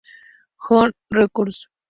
Hollywood Records.